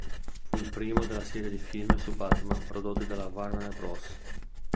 Fu il primo della serie di film su Batman prodotti dalla Warner Bros.